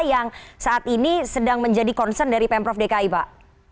yang saat ini sedang menjadi concern dari pemprov dki pak